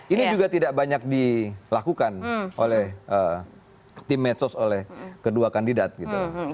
ini juga tidak banyak dilakukan oleh tim medsos oleh kedua kandidat gitu